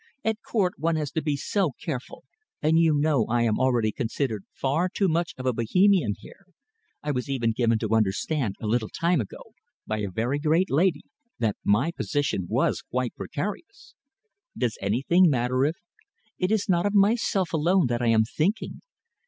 At Court one has to be so careful, and you know I am already considered far too much of a Bohemian here. I was even given to understand, a little time ago, by a very great lady, that my position was quite precarious." "Does that does anything matter if " "It is not of myself alone that I am thinking.